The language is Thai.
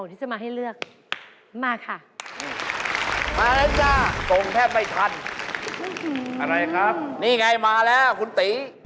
นี่ไงมาแล้วคุณตี